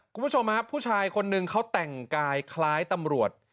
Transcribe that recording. คุณผู้ชมครับผู้ชายคนนึงเขาแต่งกายคล้ายตำรวจ